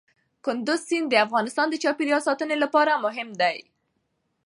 کندز سیند د افغانستان د چاپیریال ساتنې لپاره مهم دی.